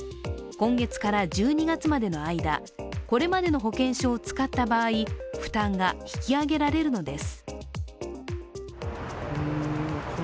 今月から１２月までの間、これまでの保険証を使った場合、負担が引き上げられるのです。